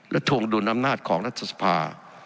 และทวงดุลอำนาจของรัฐสภา